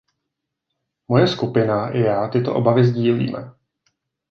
Moje skupina i já tyto obavy sdílíme.